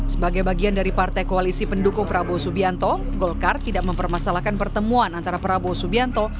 sebagai bagian dari partai koalisi pendukung prabowo subianto golkar tidak mempermasalahkan pertemuan antara prabowo subianto